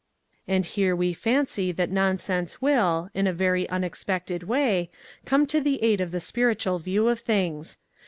And here we fancy that nonsense will, in a very unex pected way, come to the aid of the spiritual view of things.